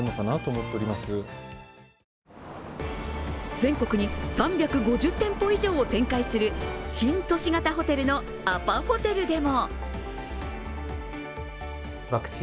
全国に３５０店舗以上を展開する新都市型ホテルのアパホテルでも。